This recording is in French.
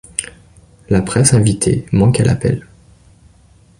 La presse invitée manque à l'appel.